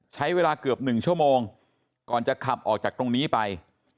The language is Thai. ใช้เวลาเกือบ๑ชั่วโมงก่อนจะขับออกจากตรงนี้ไป